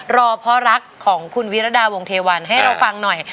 รอพอรักของคุณวิรดาวงธวรรมให้เราฟังหน่อย